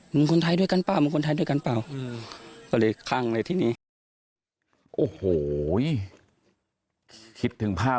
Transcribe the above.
มึงควรใช้ด้วยกันเปล่า